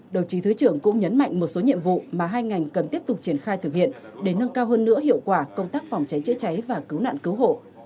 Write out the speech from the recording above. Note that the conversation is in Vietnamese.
đồng chí thứ trưởng cũng nhấn mạnh một số nhiệm vụ mà hai ngành cần tiếp tục triển khai thực hiện để nâng cao hơn nữa hiệu quả công tác phòng cháy chữa cháy và cứu nạn cứu hộ